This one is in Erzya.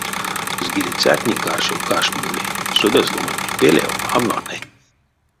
Згилицятнень каршо каштмоли, содазь ломантнень пелев а ваны.